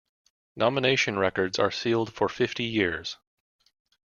Nomination records are sealed for fifty years.